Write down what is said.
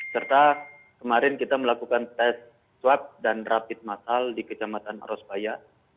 serta kemarin kita melakukan testing masal untuk warga sakit yang tidak mau berobat ke rumah sakit lalu yaitu meningkatkan edukasi dan sosialisasi melalui toko tempat